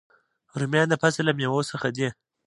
رومیان د فصل له میوو څخه دي